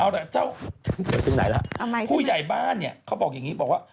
เอาล่ะเจ้าผู้ใหญ่บ้านเขาบอกอย่างนี้บอกว่า